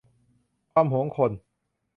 ความหวงคน